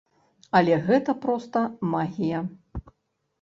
Але гэта проста магія.